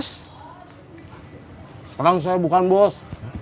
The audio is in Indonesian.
sekarang saya bukan bos